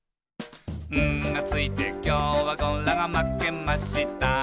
「『ん』がついてきょうはゴラがまけました」